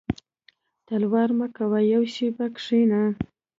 •تلوار مه کوه یو شېبه کښېنه.